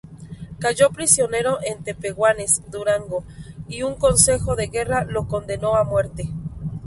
Cayó prisionero en Tepehuanes, Durango, y un Consejo de Guerra lo condenó a muerte.